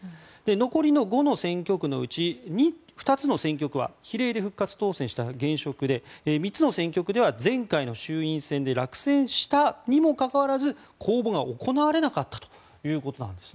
残りの５の選挙区のうち２つの選挙区は比例で復活当選した現職で３つの選挙区では前回の衆院選で落選したにもかかわらず公募が行われなかったということなんです。